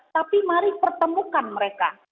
tapi mari pertemukan mereka